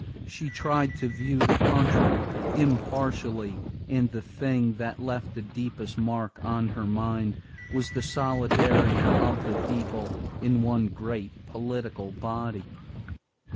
She tried to view the country impartially and the thing that left the deepest mark on her mind was the solidarity of the people in one great political body.